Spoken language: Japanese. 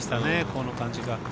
この感じが。